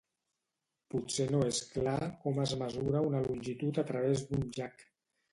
Potser no és clar com es mesura la longitud a través d'un llac.